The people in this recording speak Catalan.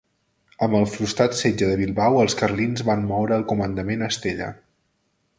Amb el frustrat Setge de Bilbao els carlins van moure el comandament a Estella.